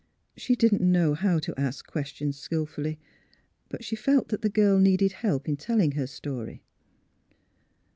She didn't know how to ask questions skilfully; but she felt that the girl needed help in telling her story.